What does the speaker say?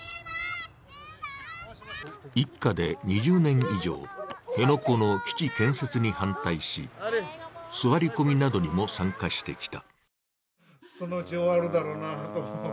一家で２０年以上、辺野古の基地建設に反対し座り込みなどにも参加してきた。